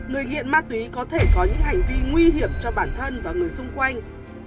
người nghiện ma túy có thể có những hành vi nguy hiểm cho bản thân và người xung quanh